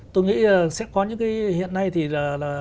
tôi nghĩ sẽ có những cái hiện nay thì là